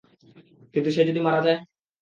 কিন্তু যদি সে মারা যায়?